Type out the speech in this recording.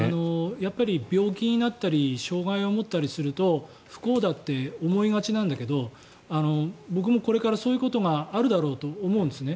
病気になったり障害を持ったりすると不幸だと思いがちなんだけど僕もこれからそういうことがあるだろうと思うんですね。